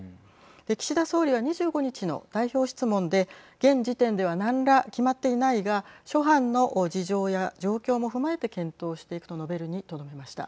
岸田総理は２５日の代表質問で現時点では何ら決まっていないが諸般の事情や状況も踏まえて検討していくと述べるにとどめました。